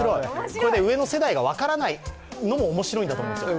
上の世代が分からないのも面白いんだと思うんですよ。